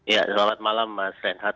ya selamat malam mas reinhardt